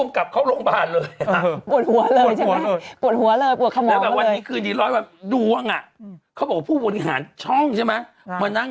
ไม่แต่เขาแกรู้กันหรือว่าเป็นใคร